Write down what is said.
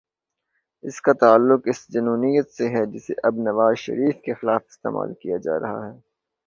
اس کا تعلق اس جنونیت سے ہے، جسے اب نواز شریف کے خلاف استعمال کیا جا رہا ہے۔